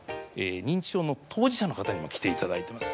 認知症の当事者の方にも来ていただいています。